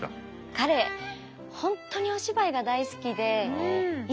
彼本当にお芝居が大好きでなるほど。